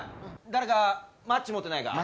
誰かマッチ持ってないか？